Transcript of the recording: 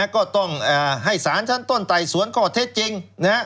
ก็ต้องให้สารชั้นต้นไต่สวนข้อเท็จจริง